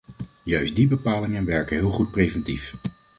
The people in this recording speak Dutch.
Juist die bepalingen werken heel goed preventief.